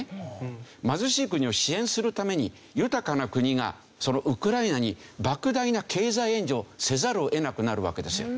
貧しい国を支援するために豊かな国がウクライナに莫大な経済援助をせざるを得なくなるわけですよ。